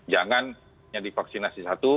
jangan hanya di vaksinasi satu